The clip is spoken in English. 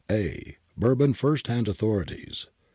A. Bourbon first hand authorities.